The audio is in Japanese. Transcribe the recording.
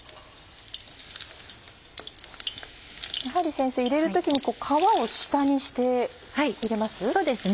やはり先生入れる時に皮を下にして入れます？